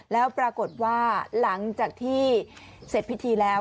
แล้วปรากฏว่าหลังจากที่เสร็จพิธีแล้ว